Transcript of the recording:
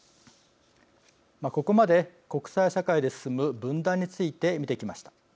ここまで国際社会で進む分断について見てきました。